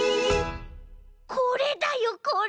これだよこれ！